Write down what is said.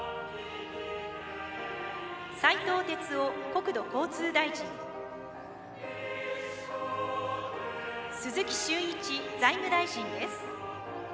斉藤鉄夫国土交通大臣鈴木俊一財務大臣です。